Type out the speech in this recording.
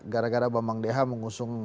gara gara bambang deha mengusung